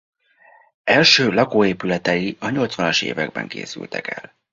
Első lakóépületei a nyolcvanas években készültek el.